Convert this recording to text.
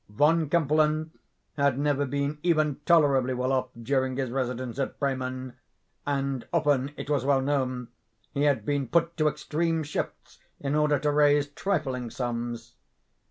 Von Kempelen had never been even tolerably well off during his residence at Bremen; and often, it was well known, he had been put to extreme shifts in order to raise trifling sums.